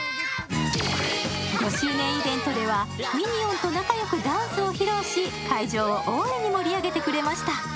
５周年イベントではミニオンと仲良くダンスを披露し会場を大いに盛り上げてくれました。